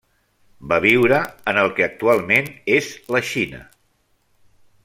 Va viure en el que actualment és la Xina.